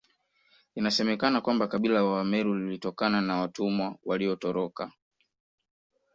Inasemekana kwamba kabila la Wameru lilitokana na watumwa waliotoroka